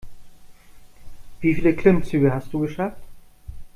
Wie viele Klimmzüge hast du geschafft?